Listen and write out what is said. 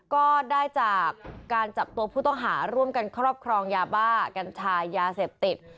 ก็ได้จากการจับตัวผู้ต้องหาร่วมกันครอบครองยาบ้ากัญชายาเสพติด